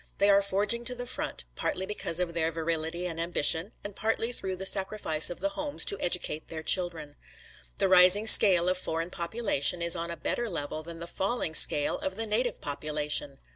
They are forging to the front, partly because of their virility and ambition, and partly through the sacrifice of the homes to educate their children. The rising scale of foreign population is on a better level than the falling scale of the native population.